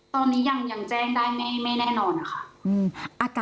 ตอนนี้ยังแจ้งได้ไม่แน่นอนนะคะ